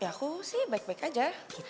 ya aku sih baik baik aja